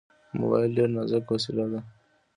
موبایل ډېر نازک وسیله ده.